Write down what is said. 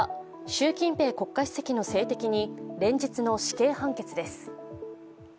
習近平国家主席の政敵に連日の死刑判決です。